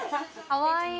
かわいい。